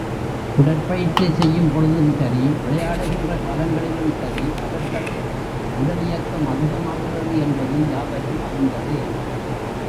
உடற் பயிற்சி செய்யும் பொழுதும் சரி, விளையாடுகின்ற காலங்களிலும் சரி, அவர்களின் உடலியக்கம் அதிகமாகிறது என்பது யாவரும் அறிந்ததே.